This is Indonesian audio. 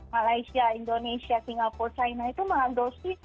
malaysia indonesia singapore china itu mengandalki